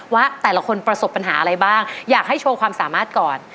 ว่าแต่ละคนประสบปัญหาอะไรบ้างอยากให้โชว์ความสามารถก่อน